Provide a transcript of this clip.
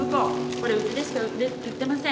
これうちでしか売ってません！